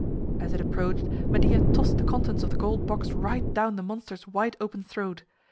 As it approached, Medea tossed the contents of the gold box right down the monster's wide open throat.